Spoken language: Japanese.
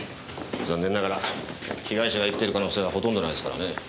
残念ながら被害者が生きてる可能性はほとんどないですからね。